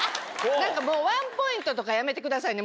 ワンポイントとかやめてくださいね。